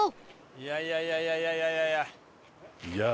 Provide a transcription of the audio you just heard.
いやいやいやいやいやいや。